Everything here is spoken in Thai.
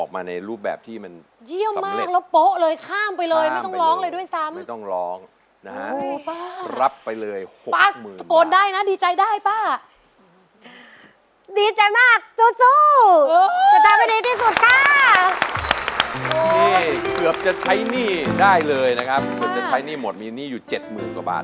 ไม่ต้องร้องรับไปเลยหกหมื่นบาท